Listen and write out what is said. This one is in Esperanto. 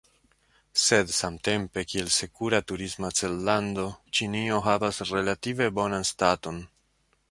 Sed samtempe, kiel sekura turisma cellando, Ĉinio havas relative bonan staton.